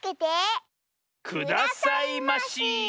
くださいまし。